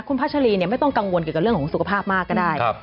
คุณพัชรีไม่ต้องกังวลเกี่ยวกับเรื่องของสุขภาพมากก็ได้